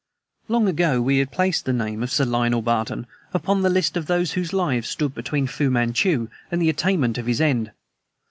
Long ago we had placed the name of Sir Lionel Barton upon the list of those whose lives stood between Fu Manchu and the attainment of his end.